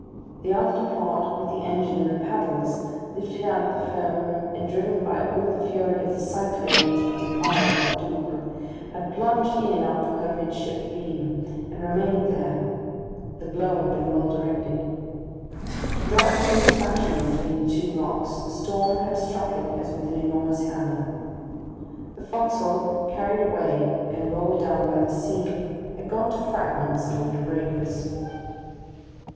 The after part with the engine and the paddles, lifted out of the foam and driven by all the fury of the cyclone into the defile of the Douvres, had plunged in up to her midship beam, and remained there. The blow had been well directed. To drive it in this fashion between the two rocks, the storm had struck it as with an enormous hammer. The forecastle carried away and rolled down by the sea, had gone to fragments among the breakers.